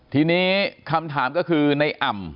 ทีนี้คำถามก็คือในอ่ำ